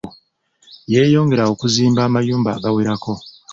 Yeyongera okuzimba amayumba agawerako.